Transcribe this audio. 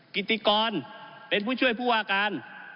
กิติกรเป็นผู้ช่วยผู้ว่าการ